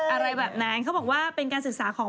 อะไรแบบนั้นเขาบอกว่าเป็นการศึกษาของ